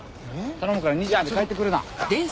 頼むから２時まで帰ってくるな。